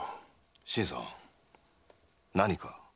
新さん何か？